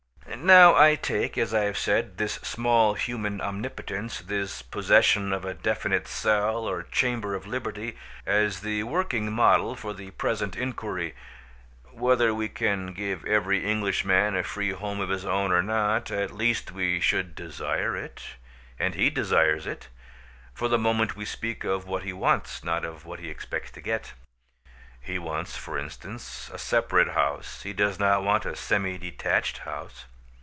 Now I take, as I have said, this small human omnipotence, this possession of a definite cell or chamber of liberty, as the working model for the present inquiry. Whether we can give every English man a free home of his own or not, at least we should desire it; and he desires it. For the moment we speak of what he wants, not of what he expects to get. He wants, for instance, a separate house; he does not want a semi detached house.